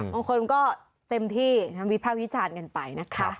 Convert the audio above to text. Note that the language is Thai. บางคนก็เต็มที่วิภาควิจารณ์กันไปนะคะ